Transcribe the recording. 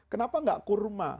kenapa gak kurma